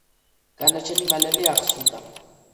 განაჩენი მალევე აღსრულდა.